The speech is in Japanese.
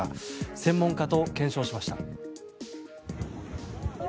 専門家と検証しました。